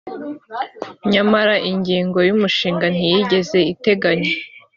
nyamara inyigo y’ umushinga ntiyigeze iteganya